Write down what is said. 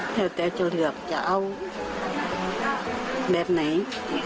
แต่แต่จะเลือกจะเอาแบบไหน